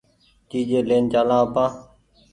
چيجي لين چآلآن آپان